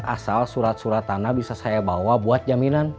asal surat surat tanah bisa saya bawa buat jaminan